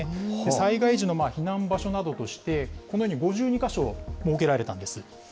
災害時の避難場所などとして、このように５２か所設けられたんです。